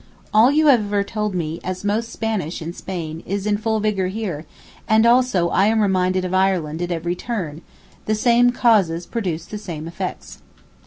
All you have ever told me as most Spanish in Spain is in full vigour here, and also I am reminded of Ireland at every turn; the same causes produce the same effects.